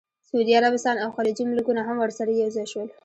سعودي عربستان او خلیجي ملکونه هم ورسره یوځای شول.